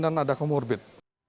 vaksin dan ada komorbit